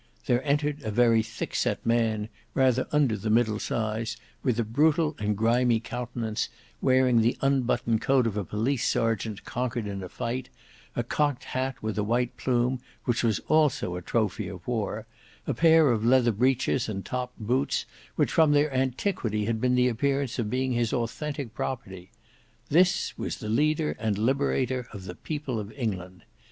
there entered a very thickset man, rather under the middle size, with a brutal and grimy countenance, wearing the unbuttoned coat of a police serjeant conquered in fight, a cocked hat, with a white plume, which was also a trophy of war, a pair of leather breeches and topped boots, which from their antiquity had the appearance of being his authentic property. This was the leader and liberator of the people of England.